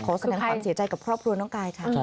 ขอแสดงความเสียใจกับครอบครัวน้องกายค่ะ